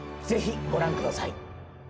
ぜひ、ご覧下さい。